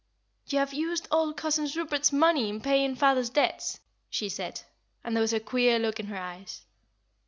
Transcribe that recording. "You have used all Cousin Rupert's money in paying father's debts," she said; and there was a queer look in her eyes.